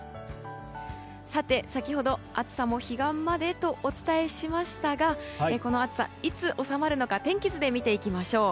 さて、先ほど暑さも彼岸までとお伝えしましたがこの暑さがいつ収まるのか天気図で見ていきましょう。